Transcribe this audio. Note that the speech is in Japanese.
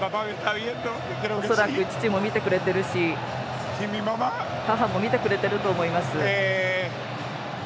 恐らく父も見てくれているし母も見てくれていると思います。